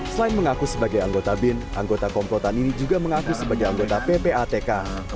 selain mengaku sebagai anggota bin anggota komplotan ini juga mengaku sebagai anggota ppatk